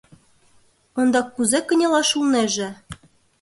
Ондак кузе кынелаш улнеже?